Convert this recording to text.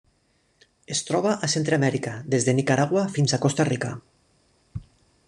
Es troba a Centreamèrica: des de Nicaragua fins a Costa Rica.